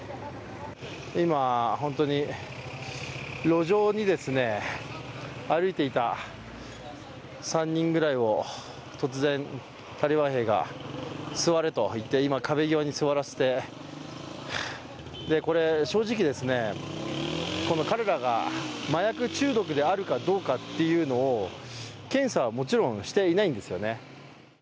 今、本当に路上に歩いていた３人ぐらいを突然タリバン兵が座れと言って、今壁際に座らせて正直ですね、この彼らが麻薬中毒であるかどうかを検査はもちろんしていないんですよね。